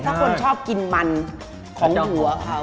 ถ้าคนชอบกินมันของหัวเขา